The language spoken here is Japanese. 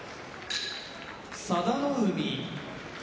佐田の海